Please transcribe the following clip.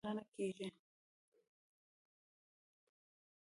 په دې ښار کې د عامه روغتیا خدمتونو ته زیاته پاملرنه کیږي